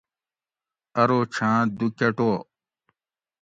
ارو چھاں دُو کۤٹو